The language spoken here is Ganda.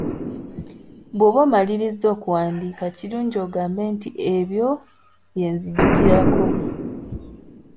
Bw'oba omaliriza okuwandiika kirungi ogambe nti ebyo bye nzijukirako.